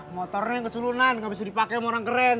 motornya yang keculunan gak bisa dipake sama orang keren